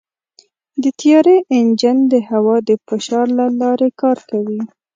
د طیارې انجن د هوا د فشار له لارې کار کوي.